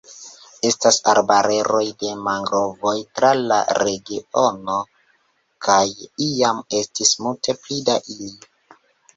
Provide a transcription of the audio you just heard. Estas arbareroj de mangrovoj tra la regiono kaj iam estis multe pli da ili.